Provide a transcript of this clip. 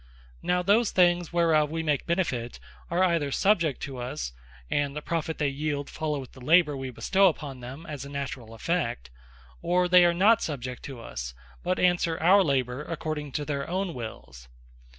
Now those things whereof we make benefit, are either subject to us, and the profit they yeeld, followeth the labour we bestow upon them, as a naturall effect; or they are not subject to us, but answer our labour, according to their own Wills.